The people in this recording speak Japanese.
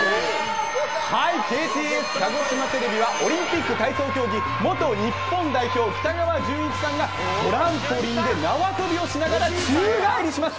ＫＴＳ鹿児島テレビはオリンピック代表競技日本代表元日本代表、北川淳一さんが何とトランポリンで縄跳びをしながら宙返りします。